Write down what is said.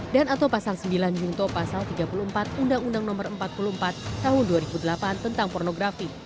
dan atau pasal sembilan yungto pasar tiga puluh empat undang undang no empat puluh empat tahun dua ribu delapan tentang pornografi